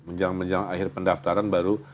menjang menjang akhir pendaftaran baru